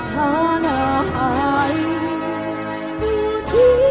di sana tak ku lupa ke